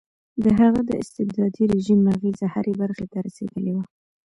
د هغه د استبدادي رژیم اغېزه هرې برخې ته رسېدلې وه.